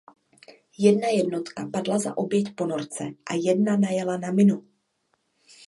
Jedna jednotka padla za oběť ponorce a jedna najela na minu.